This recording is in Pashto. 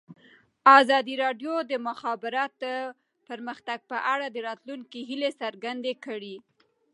ازادي راډیو د د مخابراتو پرمختګ په اړه د راتلونکي هیلې څرګندې کړې.